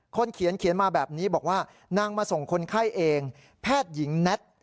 คนเขียนมาแบบนี้บอกว่านางมาส่งคนไข้เองแพทย์หญิงแน็ต